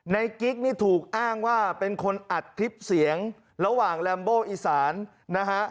กิ๊กนี่ถูกอ้างว่าเป็นคนอัดคลิปเสียงระหว่างแรมโบอีสานนะฮะ